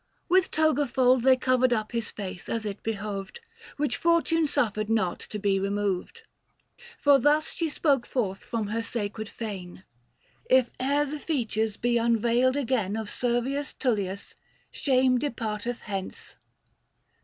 With toga fold They covered up his face as it behoved, Which Fortune suffered not to be removed. For thus she spoke forth from her sacred fane : 750 " If e'er the features be unveiled again Of Servius Tullius, shame departeth hence.